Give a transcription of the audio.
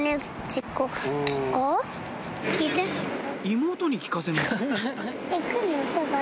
妹に聞かせます